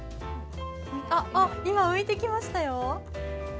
今、浮いてきましたよ。